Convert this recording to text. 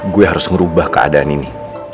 gue harus merubah keadaan ini